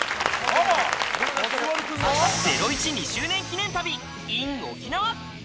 『ゼロイチ』２周年記念旅ＩＮ沖縄。